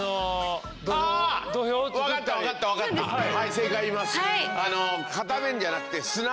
正解言います！